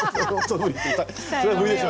それは無理ですよ。